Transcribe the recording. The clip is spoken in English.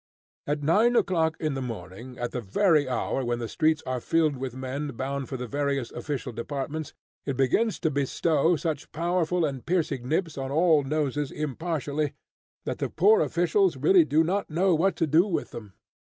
At nine o'clock in the morning, at the very hour when the streets are filled with men bound for the various official departments, it begins to bestow such powerful and piercing nips on all noses impartially, that the poor officials really do not know what to do with them.